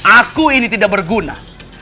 aku ini tidak berguna